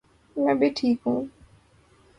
میں بھی ٹھیک ہوں